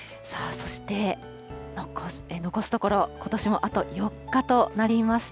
そして残すところ、ことしもあと４日となりました。